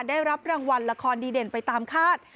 ได้รับรางวัลละครดีเด่นไปตามคาด